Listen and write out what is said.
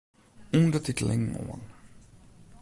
Undertiteling oan.